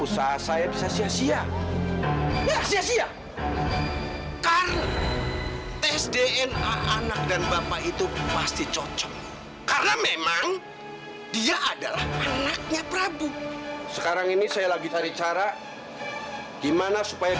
sampai jumpa di video selanjutnya